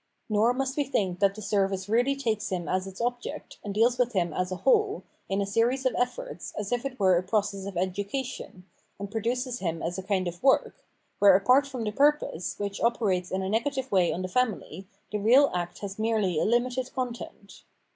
Nor must we think that the service really takes him as its object, and deals with him as a whole, in a series of efiorts, as if it were a process of education, and produces him as a kind of work, where apart from the purpose, which operates in a negative way on the family, the real act has merely a limited content.